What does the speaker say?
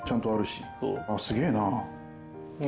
すげえな。